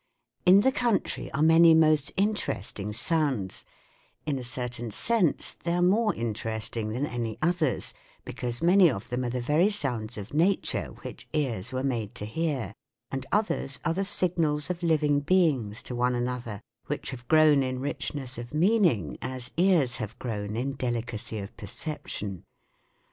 IN the country are many most interesting sounds ; in a certain sense they are more interesting than any others, because many of them are the very sounds of nature which ears were made to hear, and others are the signals of living beings to one another, which have grown in richness of meaning as ears have grown in delicacy of perception.